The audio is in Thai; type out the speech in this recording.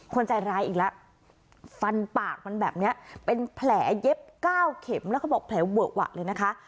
คนใจร้ายอีกแล้วฟันปากมันแบบนี้เป็นแผลเย็บ๙เข็มแล้วเขาบอกแผลเวอะหวะเลยนะคะ